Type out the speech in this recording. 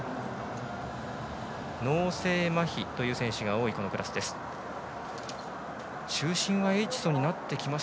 脳性まひという選手が多いこのクラスです。